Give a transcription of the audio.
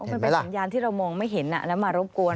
มันเป็นสัญญาณที่เรามองไม่เห็นแล้วมารบกวน